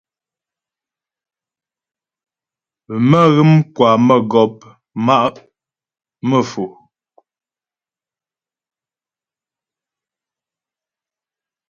Mə́́ghə̌m kwa mə́gɔ̌p má'a Mefo.